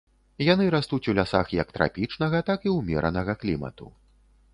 Яны растуць у лясах як трапічнага, так і ўмеранага клімату.